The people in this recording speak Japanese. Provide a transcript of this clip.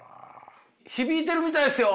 響いてるみたいっすよ。